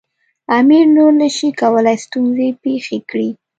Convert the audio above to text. امیر نور نه شي کولای ستونزې پېښې کړي.